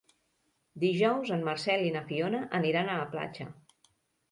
Dijous en Marcel i na Fiona aniran a la platja.